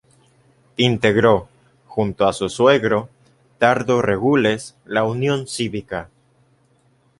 Integró, junto a su suegro, Dardo Regules, la Unión Cívica.